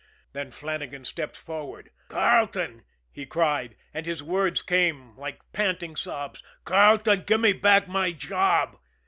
Then Flannagan stepped forward. "Carleton," he cried, and his words came like panting sobs, "Carleton, give me back my job."